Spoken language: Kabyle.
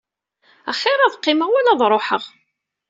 Axiṛ ad qqimeɣ wala ad ṛuḥeɣ.